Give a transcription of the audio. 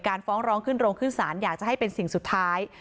ฟ้องร้องขึ้นโรงขึ้นศาลอยากจะให้เป็นสิ่งสุดท้าย